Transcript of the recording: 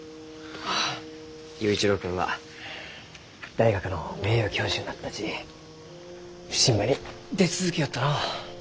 あ佑一郎君は大学の名誉教授になったち普請場に出続けよったのう。